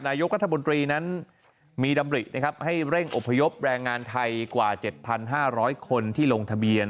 นายกรัฐมนตรีนั้นมีดำรินะครับให้เร่งอพยพแรงงานไทยกว่า๗๕๐๐คนที่ลงทะเบียน